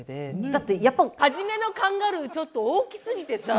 だってやっぱ初めのカンガルーちょっと大きすぎてさ。